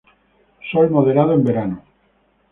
Sol moderado en verano.